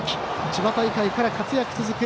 千葉大会から活躍が続く